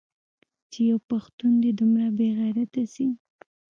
چې يو پښتون دې دومره بې غيرته سي.